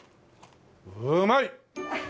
うまい！